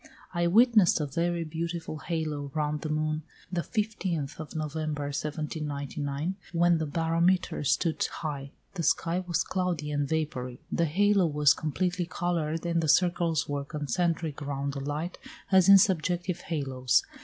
I witnessed a very beautiful halo round the moon the 15th of November, 1799, when the barometer stood high; the sky was cloudy and vapoury. The halo was completely coloured, and the circles were concentric round the light as in subjective halos.